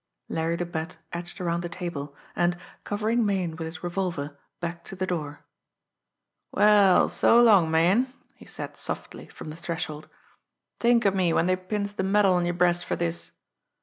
Larry the Bat edged around the table, and, covering Meighan with his revolver, backed to the door. "Well, so long, Meighan!" he said softly, from the threshold. "T'ink of me when dey pins de medal on yer breast fer dis!"